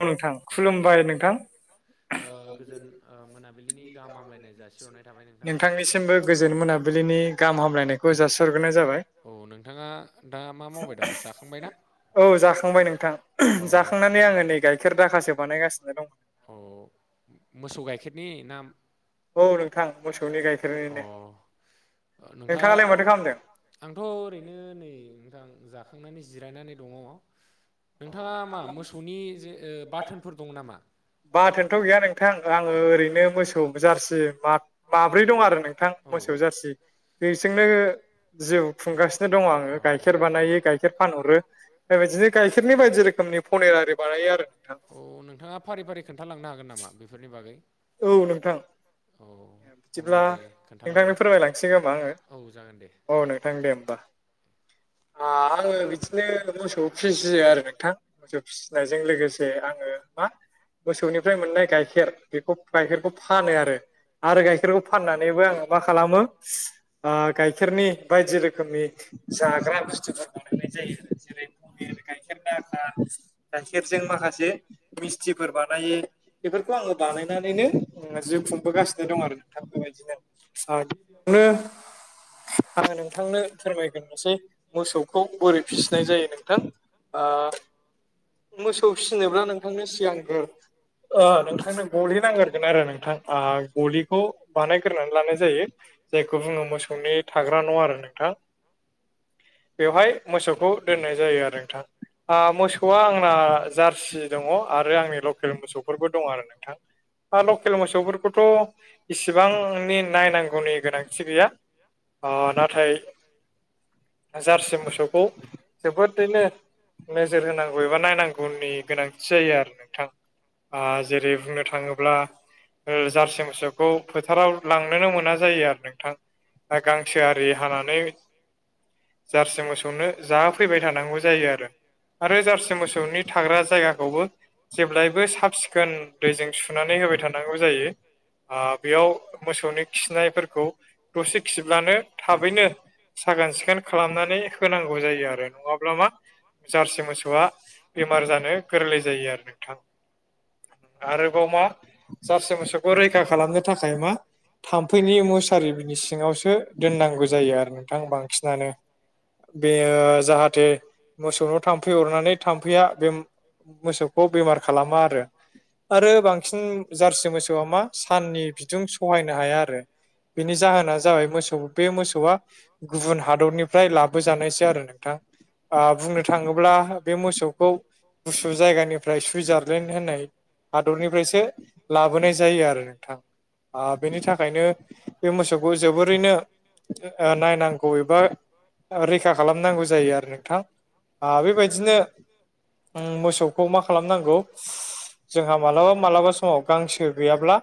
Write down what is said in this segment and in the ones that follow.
औ नोंथां औ खुलुमबाय नोंथां? ओ गोजोन ओ मोनाब [unintelligible] नोंथांनि दासिमबो गोजोन मोनाबिलिनि गाहाम हामलायनायखौ जासिहरग्रोनाय जाबाय। औ नोंथाङा दा मा मावबाय दं जाखांबाय ना? औ जाखांबाय नोंथां औ जाखांनानै आङो नै गाइखेर दाखासो बानायगासिनो दं। अह। मोसौ गाइखेरनि नाम औ नोंथां मोसौनि गाय अह नोंथाङा नोंथाङालाय माथो खालामदों आंथ' ओरैनो नै नोंथां जाखांनानै जिरायनानै दङ। नोंथाङा मा मोसौनि जे ओ बाथोनफोर दं नामा? बाथोनथ' गैया नोंथां आङो ओरैनो मोसौ जार्सि मा माब्रै दं आरो नोंथां औ मोसौ जारसि। बेजोंनो जिउ खुंगासिनो दङ आङो। औ गाइखेर बानायो, गाइखेर फानहरो, बेबायदिनो गाइखेरनि बायदि रोखोमनि पनिर आरि बानायो आरो। नोंथां अह नोंथाङा फारि फारि खोन्थालांनो हागोन नामा बेफोरनि बागै? औ नोंथां। औ। अब्ला बिदिब्ला दे नोंथांनि खोन्थालांनाय फोरमायलांसै खोमा आङो। औ जागोन दे। अह नोंथां दे होमबा। आङो बिदिनो मोसौ फिसियो आरो नोंथां मोसौ फिसिनायजों लोगोसे आङो मा मोसौनिफ्राय मोननाय गाइखेर बेखौ गाइखेरखौ फानो आरो। आरो गाइखेरखौ फानना नैबो आङो मा खालामो ओ गाइखेरनि बायदि रोखोमनि जाग्रा बुस्थुफोर बानायनाय जायो जेरै पनिर गाइखेर दाखा, गाइखेरजों माखासे मिस्थिफोर बानायो बेफोरखौ आङो बानायनानैनो उम जिउ खुंबोगासिनो नो दं आरो नोंथां बेबायदिनो आङो नोंथांनो फोरमायग्रोसै मोसौखौ बोरै फिसिनाय जायो नोंथां। ओ मोसौ फिनोब्ला नोंथांनो सिगांगोर ओ नोंथांनो गलि नांगोरगोन आरो नोंथां। ओ गलिखौ बानायग्रानै लानाय जायो। जायखौ बुङो मोसौनि थाग्रा न' आरो नोंथा। बेवहाय मोसौखौ दोननाय जायो आरो नोंथां। ओ मोसौआ आंना जारसि दङ आरो आंनि लकेल मोसौफोरबो दं आरो नों थां ओ लकेल मोसौफोरखौथ' इसिबांनि नायनांगौनि गोनांथि गैया। ओ नाथाय जारसि मोसौखौ जोबोदैनो नो नोजोर होनांगौ एबा नायनांगौनि गोनांथि जायो आरो नोंथां। ओ जेरै बुंनो थाङोब्ला ओ जारसि मोसौखौ फोथाराव लांनोनो मोना जायो आरो नोंथां। गांसो आरि हानानै जारसि मोसौनो जाहो फैबाय थानांगौ जायो आरो आरो जारसि मोसौनि थाग्रा जायगाखौबो जेब्लायबो साफ सिखोन दैजों सुनानै होबाय थानांगौ जायो। ओ बेयाव मोसौनि खिनायफोरखौ दसे खिब्लानो थाबैनो साखोन सिखोन खालामनानै होनांगौ जायो आरो नङाब्ला मा जारसि मोसौआ बेमार जानो गोरलै जायो आरो नोंथां। आरोबाव मा जारसि मोसौखौ रै रैखा खालामनो थाखाय मा थाम्फैनि मुसारिनि सिङावसो दोननांगौ जायो आरो नोंथां बांसिनानो। बेयो जाहाथे मोसौनाव थाम्फै अरनानै थाम्फैया बे मोसौखौ बेमार खालामा आरो। आरो बांसिन जारसि मोसौआ मा साननि बिदुं सहायनो हाया आरो बेनि जाहोना जाबाय मोसौ बे मोसौआ गुबुन हादरनिफ्राय लाबोजानायसो आरो नोंथां। बुंनो थाङोब्ला बे मोसौखौ गुसु जायगानिफ्राय सुइजारलेण्ड होननाय हादरनिफ्रायसो लाबोनाय जायो आरो नोंथां ओ बेनि थाखायनो बे मोसौखौ जोबोरैनो ओ नायनांगौ एबा रैखा खालामनांगौ जायो आरो नोंथां। ओ बेबायदिनो उम मोसौखौ मा खालामनांगौ जोंहा मालाबा मालाबा समाव गांसो गैयाब्ला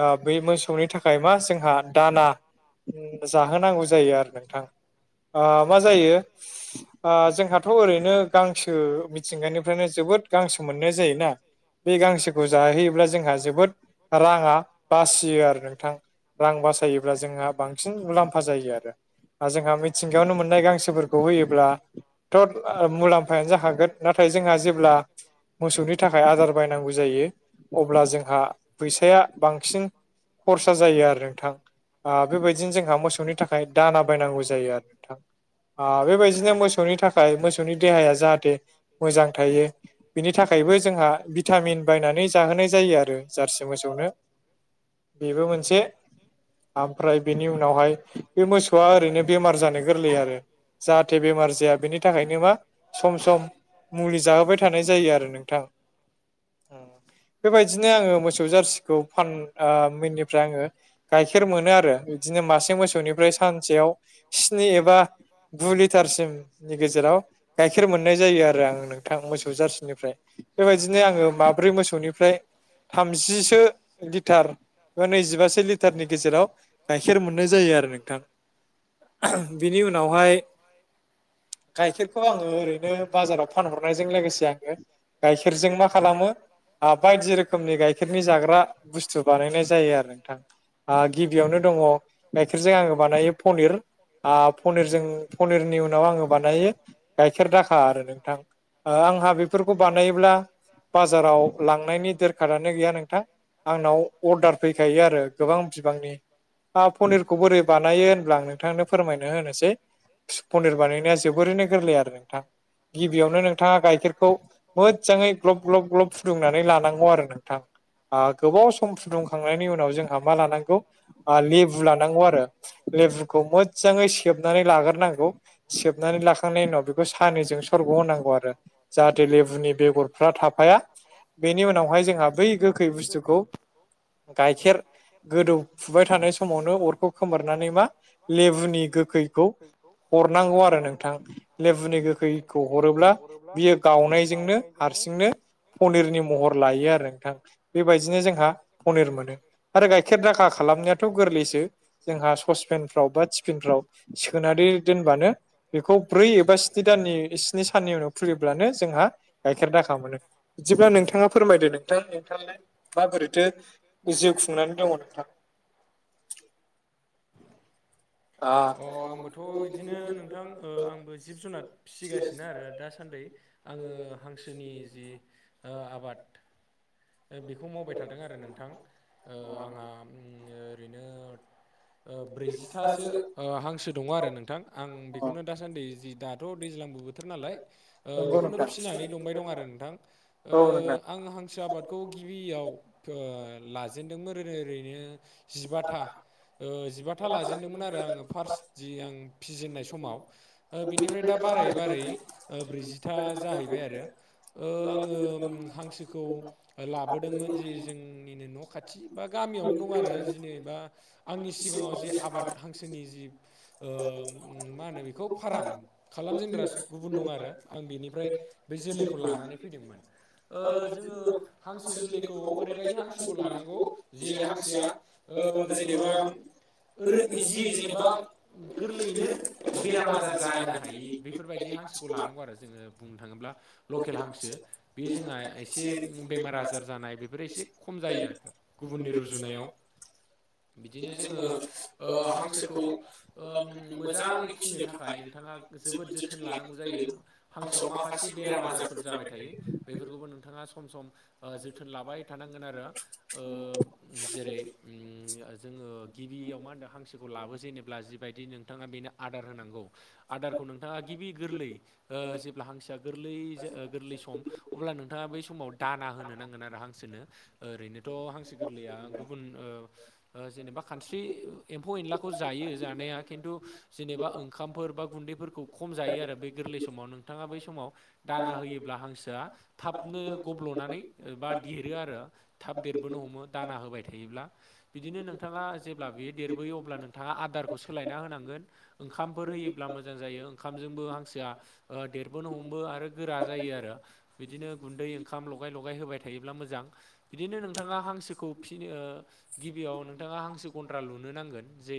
ओ बे मोसौनि थाखाय मा जोंहा दाना उम जाहोनांगौ जायो आरो नोंथां ओ मा जायो ओ जोंहाथ' ओरैनो गांसो मिथिंगानिफ्रायनो जोबोद गांसो मोननाय जायोना बे गांसोखौ जाहोयोब्ला जोंहा जोबोद राङा बासियो आरो नोंथां रां बासायोब्ला जोंहा बांसिन मुलाम्फा जायो आरो। आं जोंहा मिथिंगायावनो मोननाय गांसोफोरखौ होयोब्ला थ' ओ मुलाम्फायानो जाखागोन नाथाय जोंहा जेब्ला मोसौनि थाखाय आदार बायनांगौ जायो अब्ला जोंहा फैसाया बांसिन खरसा जायो आरो नोंथां आ बेबायदिनो जोंहा मोसौनि था खाय दाना बायनांगौ जायो आरो नोंथां। ओ बेबायदिनो मोसौनि थाखाय मोसौनि देहाया जाहाथे मोजां थायो बिनि थाखायबो जोंहा भिटामिन बायनानै जाहोनाय जायो आरो जारसि मोसौनो। बेबो मोनसे ओमफ्राय बेनि उनावहाय बे मोसौआ ओरैनो बेमार जानो गोरलै आरो। जाहाथे बेमार जाया बेनि थाखायनो मा सम सम मुलि जाहोबाय थानाय जायो आरो नोंथां उम बेबायदिनो आङो मो सौ जारसिखौ फान आ मिननिफ्राय आङो गाइखेर मोनो आरो बिदिनो मासे मोसौनिफ्राय सानसेयाव स्नि एबा गु लिटारसिमनि गेजेराव गाइखेर मोननाय जायो आरो आंङो नों थां मोसौ जारसिनिफ्राय बेबायदिनो आङो माब्रै मोसौनिफ्राय थामजिसो लिटार नैजिबासो लिटारनि गेजेराव गाइखेर मोननाय जायो आरो नोंथां। बिनि उनावहाय गाइखेरखौ आङो ओरैनो बाजाराव फानहरनायजों लोगोसे आङो गाइखेरजों मा खालामो ओ बायदि रोखोमनि गाय खेरनि जाग्रा बुस्थु बानायनाय जायो आरो नोंथां। ओ गिबियावनो दङ गाइखेरजों आङो बानायो पनिर। आ पनिरजों पनिरनि उनाव आङो बानायो गाइखेर दाखा आरो नोंथां ओ आंहा बेफोरखौ बानायोब्ला बाजाराव लांनायनि दोरखारानो गैया नोंथां आंनाव अर्डार फैखायो आरो गोबां बिबांनि आ पनिरखौ बोरै बानायो होनब्ला आं नोंथांनो फोरमायनो होनोसै। पनिर बानायनाया जोबोरैनो गोरलै आरो नोंथां। गिबियावनो नोंथाङा गाइखेरखौ मोजाङै ग्लब ग्लब ग्लब फुदुंनानै लानांगौ आरो नोंथां। ओ गोबाव सम फुदुंखांनायनि उनाव जोंहा मा लानांगौ ओ‌ लेबु लानांगौ आरो लेबुखौ मोजाङै सेबनानै लाग्रोनांगौ सेबनानै लाखांनायनि उनाव बेखौ सानैजों सरघ होनांगौ आरो जाहाथे लेबुनि बेगरफ्रा थाफाया बेनि उनावहाय जोंहा बै गोखै गोखै बुस्थुखौ गाइखेर गोदौफुबाय थानाय समावनो अरखौ खोमोरनानै मा लेबुनि गोखै खौ हरनांगौ आरो नोंथां लेबुनि गोखैखौ ह'रोब्ला बियो गावनायजोंनो हारसिंनो पनिरनि महर लायो आरो नोंथां बेबादिनो जोंहा पनिर मोनो आरो गाइखेर दाखा खालामनायाथ' गोरलैसो जोंहा ससपेनफ्राव बा थिफिनफ्राव सोनानै दोनबानो बेखौ ब्रै एबा स्नि दाननि स्नि साननि उनाव खुलियोब्लानो जोंहा गाइखेर दाखा मोनो। बिदिब्ला नोंथाङा फोरमायदो नोंथां नोंथांआलाय माबोरैथो जिउ खुंनानै दङ नोंथां? आ अ आंबोथ' इदिनो नोंथां ओ आंबो जिब जुनार फिसिगासिनो आरो दासान्दै। आङो हांसोनि जे ओ आबाद ओ बेखौ मावबाय थादों आरो नोंथां ओ आंहा उम ओरैनो ओ ब्रैजिथासो ओ हां नङा आरो नोंथां आं बेखौनो दासान्दि जि दाथ' दैज्लांबो बोथोर नालाय। ओ नंगौ बेखौनो नोंथां फिनानै दंबाय दं आरो नोंथां ओ औ नोंथां। आं हांसो आबादखौ गिबियाव ओ लाजेनदोंमोन ओ ओरैनो जिबाथा ओ जिबाथा लाजेनदोंमोन आरो आङो फार्स्ट बि आं फिजेननाय समाव बिनिफ्राय दा बारायै बारायै ओ ब्रैजिथा जाहैबाय आरो ओ आङो उम हांसोखौ लाबोदोंमोन जि जोंनिनो न' खाथि बा गामिआवनो दं आरो जेनोबा आंनि सिगांआव जि आबाद हांसोनि जि ओ मा होनो बेखौ फार्म खालामजेनग्रा सो गुबुन दं आरो आं बेनिफ्राय बे जोलैखौ लानानै फैदोंमोन ओ जोङो हांसो जोलैखौ ओरैबादि हांसोखौ लानांगौ जे हांसोआ ओ जेनोबा फोर इजि जेनोबा गोरलैयैनो बेराम आजार जानो हायै बेफोरबादि हांसोखौ लानांगौ आरो जोङो बुंनो थाङोब्ला लकेल हांसो बे जोंहा एसे उम बेमार आजार जानाय बेफोरो एसे खम जायो गुबुननि रुजुनायाव बिदिनो जोङो ओ हांसोखौ ओम मोजाङै फिनो थाखाय नोंथांआ जोबोद जोथोन लानांगौ जायो हांसोआव माखासे बेराम आजारफोर जाबाय थायो बेफोरखौबो नोंथांआ सम सम जोथोन लाबाय थानांगोन आरो ओ जेरै ओम उम जोङो गिबियाव मा होनदों हांसोखौ लाबोजेनोब्ला जि बायदि नोंथांआ बेनो आदार होनांगौ आदारखौ नोंथांआ गिबि गोरलै आ जेब्ला हांसो गोरलै ओ गोरलै सम अब्ला नोंथांआ बै समाव दाना होनो नांगोन आरो हांसोनो ओरैनोथ' हांसो गोरलैआ गुबुन ओ ओ जेनोबा खानस्रि एम्फौ एनलाखौ जायो जानाया खिन्थु जेनोबा ओंखामफोर बा गुन्दैफोरखौ खम जायो आरो बे गोरलै समाव नोंथाङा बै समाव दाना होयोब्ला हांसोआ थाबनो गब्ल'नानै बा देद देरो आरो थाब देरबोनो हमो दाना होबाय थायोब्ला बिदिनो नोंथांआ जेब्ला बेयो देरबोयो अब्ला नोंथांआ आदार खौ सोलायना होनांगोन ओंखामफोर होयोब्ला मोजां जायो ओंखामजोंबो हांसोआ ओ देरबोनो हमबो आरो गोरा जायो आरो बिदिनो गुन्दै ओंखाम लगाय लगाय होबाय थायोब्ला मोजां इदिनो नोंथांआ हांसोखौ फिनो गिबिआव नोंथाङा हांसो गन्द्रा लुनो नांगोन जे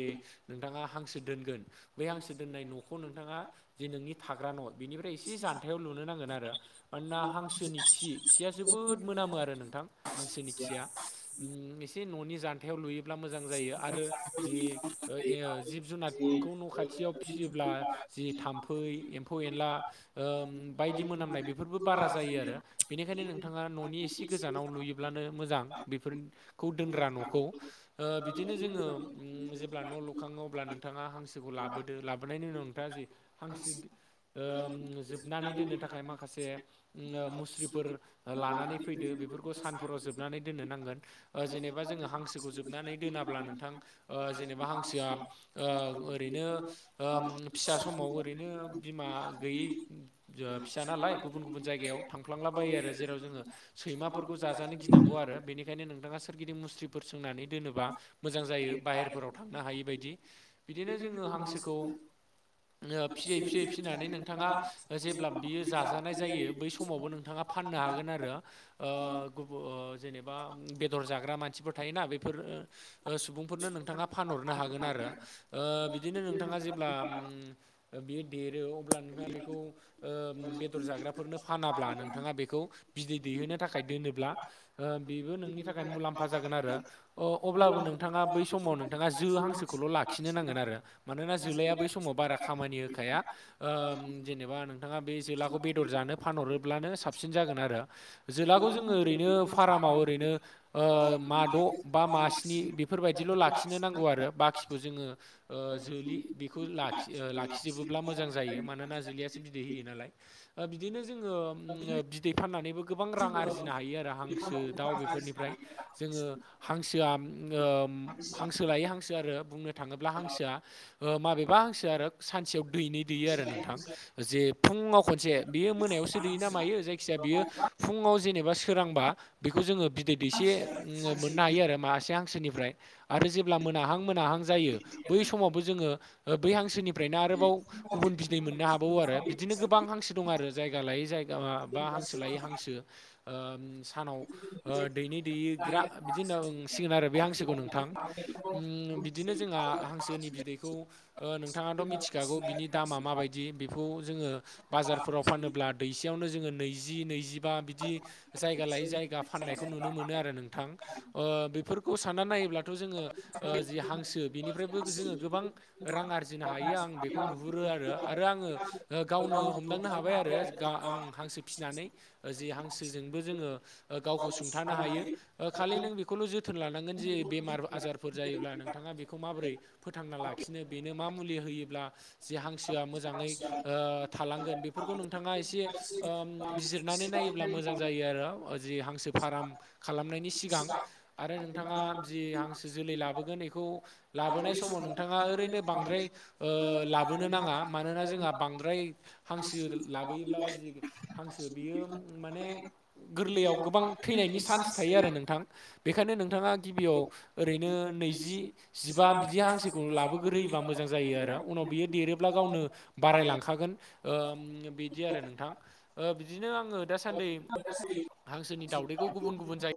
नोंथांआ हांसो दोनगोन बे हांसो दोननाय न'खौ नोंथाङा जे नोंनि थाग्रा न' बेनिफ्राय एसे जानथायाव लुनो नांगोन आरो। मानोना हांसोनि खि खिया जोबोद मोनामो आरो नोंथां हांसोनि खिया। उम एसे न'नि जान्थायाव लुयोब्ला मोजां जायो आरो जि ओ ए जिब जुनादखौ न' खाथियाव फिसियोब्ला जि थाम्फै एम्फौ एनला ओम बायदि मोनामनाय बेफोरबो बारा जायो आरो। बेनिखायनो नोंथाङा न'नि एसे गोजानाव लुयोब्लानो मोजां बेफोर खौ दोनग्रा न'खौ ओ बिदिनो जोङो ओम जेब्ला न' लुखाङो अब्ला नोंथाङा हांसोखौ लाबोदो लाबोनायनि उनाव नोंथाङा जि हांसो ओम जोबनानै दोननो थाखाय माखासे ओम मुस्रिफोर लानानै फैदो बे बेफोरखौ सानफोराव जोबनानै दोननो नांगोन ओ जेनोबा जोङो हांसोखौ जोबनानै दोनाब्ला नोंथां जेनोबा हांसोआ ओ ओरैनो ओम फिसा समाव ओरैनो बिमा गैयै ओ फिसा नालाय गुबुन गुबुन जायगायाव थांफ्लांलाबायो आरो जेराव जोङो सैमाफोरखौ जाजानो गिनांगौ आरो बेनिखायनो नोंथांआ सोरगिदिं मुस्रि फोर सोंनानै दोनोबा मोजां जायो बायहेर फोराव थांनो हायै बादि बिदिनो जोङो हांसोखौ ओ फियै फियै फिनानै नोंथांआ जेब्ला बियो जाजानाय जायो बै समावबो नोंथांआ फाननो हागोन आरो ओ गुबु ओ जेनेबा बेदर जाग्रा मानसिफोर थायोना बेफोर ओ सुबुंफोरनो नोंथाङा फानहरनो हागोन आरो ओ बिदिनो नोंथाङा जेब्ला ओम ओ बियो देरो अब्ला नोंहा बेखौ ओम बेदर जाग्राफोरनो फानाब्ला नोंथाङा बेखौ बिदै दैहोनो थाखाय दोनोब्ला ओ बेबो नोंनि थाखाय मुलाम्फा जागोन आरो अ अब्लाबो नोंथाङा बै समाव नों जो हांसोखौल' लाखिनो नांगोन आरो मानोना जोलाया बै समाव बारा खामानि होखाया ओम जेनेबा नोंथाङा बे जोलाखौ बेदर जानो फानहरोब्लानो साबसिन जागोन आरो। जोलाखौ जोङो ओरैनो फारामाव ओरैनो मा द' बा मा स्नि बेफोरबायदिल' लाख खिनो नांगौ आरो बाखिखौ जोङो ओ जोलि बेखौ लाखि ओ लाखिजोबोल्बा मोजां जायो मानोना जोलिआसो बिदै होयो नालाय ओ बिदिनो जोङो उम बि दै फान्नानैबो गोबां रां आरजिनो हायो आरो हांसो दाउ बेफोरनिफ्राय जोङो हांसोआ उम ओ हांसो लायै हांसो आरो बुंनो थाङोब्ला हांसोआ ओ माबेबा हांसोआ आरो सानसेयाव दैनै दैयो आरो नोंथां जे फुङाव खनसे बेयो मोनायावसो दैयोना मायो जायखिजाया बियो फुङाव जेनेबा सोरांबा बेखौ जोङो बिदै दैसे उम मोननो हायो आरो मासे हांसोनिफ्राय आरो जेब्ला मोनाहां मोनाहां जायो बै समावबो जोङो ओ बै हांसोनिफ्रायनो आरोबाव गुबुन बिदै मोननो हाबावो आरो बिदिनो गोबां हांसो दं आरो जायगा लायै जायगा बा हांसो लायै हांसो। ओम सानाव ओ दैनै दैग्रा बिदि होन्नां सिगोन आरो बे हांसोखौ नोंथां। ओम बिदिनो जोंहा हांसोनि बिदैखौ ओ नोंथाङाथ' मिथिखागौ बिनि दामा माबायदि बेखौ जोङो बाजारफोराव फानोब्ला दैसेयावनो जोङो नैजि नैजि बा बिदि जायगा लायै जायगा फाननायखौ नुनो मोनो आरो नोंथां ओ बेफोर खौ साननानै नायोब्ला दाथ' जोङो ओ जि हांसो बिनिफ्रायबो जोङो गोबां रां आरजिनो हायो आं बेखौ बेखौ नुहुरो आरो आरो आङो ओ गावनो हमदांनो हाबाय आरो गा आं हांसो फिसिनानै जि हांसोजोंबो जोङो ओ गावखौ सुंथानो हायो ओ खालि नों बे खौल' जोथोन लानांगोन जे बेमार आजार फोर जायोब्ला नोंथाङा बेखौ माब्रै फोथांना लाखिनो बेनो मा मुलि होयोब्ला जे हांसोआ मोजाङै ओ थालांगोन बेफोरखौ नोंथाङा एसे ओम बिजिरनानै नायो ब्ला मोजां जायो आरो जि हांसो फाराम खालामनायनि सिगां आरो नोंथाङा जि हांसो जोलै लाबोगोन एखौ लाबोनाय समाव नोंथाङा ओरैनो बांद्राय ओ ला बोनो नाङा मानोना जोंहा बांद्राय हांसो लाबोयोब्लाबो जि हांसो बियो उम माने गोरलैयाव गोबां थैनायनि चान्स थायो आरो नोंथां बेखायनो नोंथाङा गिबियाव ओरैनो नैजि जिबा बिदि हांसोखौ लाबोग्रोयोबा मोजां जायो आरो उनाव बियो देरोब्ला गावनो बारायलांखागोन ओम बिदि आरो नोंथां ओ बिदिनो आङो दासान्दि हांसोनि दाउदैखौ गुबुन गुबुन जाय